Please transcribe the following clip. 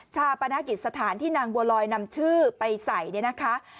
ชาปนกิจสถานที่นางบัวลอยนำชื่อไปใส่เนี่ยนะคะ